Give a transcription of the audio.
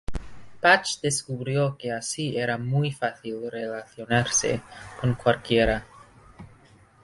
Patch descubrió que así era muy fácil relacionarse con cualquiera.